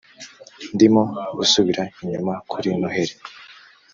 ndimo gusubira inyuma kuri noheri,